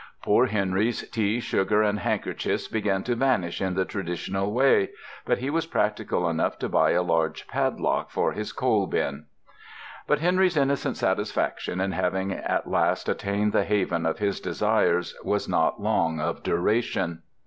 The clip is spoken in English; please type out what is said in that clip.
Poor Henry's tea, sugar, and handkerchiefs began to vanish in the traditional way; but he was practical enough to buy a large padlock for his coal bin. But Henry's innocent satisfaction in having at last attained the haven of his desires was not long of duration.